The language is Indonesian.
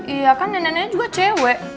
iya kan nenek nenek juga cewek